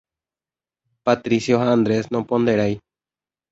Patricio ha Andrés noponderái